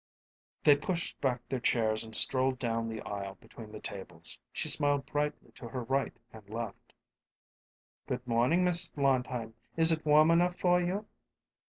They pushed back their chairs and strolled down the aisle between the tables. She smiled brightly to her right and left. "Good morning, Mrs. Blondheim. Is it warm enough for you?"